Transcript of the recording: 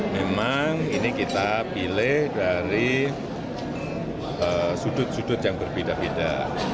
memang ini kita pilih dari sudut sudut yang berbeda beda